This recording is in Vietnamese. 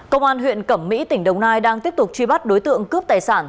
công an huyện cẩm mỹ tỉnh đồng nai đang tiếp tục truy bắt đối tượng cướp tài sản